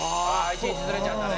１日ずれちゃったね。